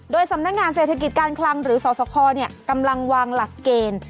โดยสำนักงานเศรษฐกิจการคลังหรือสสคกำลังวางหลักเกณฑ์